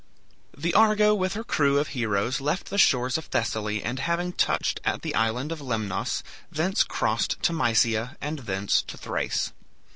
The "Argo" with her crew of heroes left the shores of Thessaly and having touched at the Island of Lemnos, thence crossed to Mysia and thence to Thrace.